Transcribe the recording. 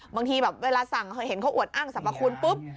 บางทีแบบเวลาสั่งเห็นเขาอวดอ้างสรรพคุณปุ๊บ